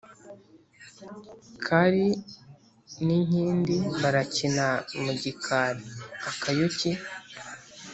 Kari n'inkindi karakina mu gikari-Akayuki.